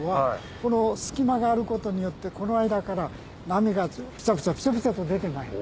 この隙間があることによってこの間から波がピチャピチャピチャピチャと出てまいります。